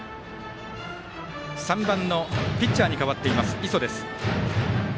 ３番のピッチャーに代わっています磯です。